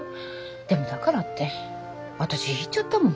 でもだからって私引いちゃったもん。